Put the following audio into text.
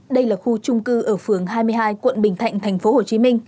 đây là khu trung cư ở phường hai mươi hai quận bình thạnh tp hcm